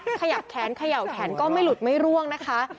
ติดปั๊บขยับแขนก็ไม่หลุดไม่ร่วงนะคะ